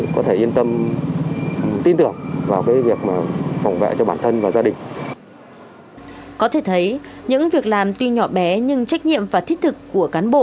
có thể thấy những việc làm tuy nhỏ bé nhưng trách nhiệm và thiết thực của cán bộ